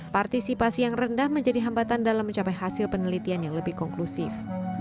partisipasi yang rendah menjadi hambatan dalam mencapai hasil penelitian yang lebih konklusif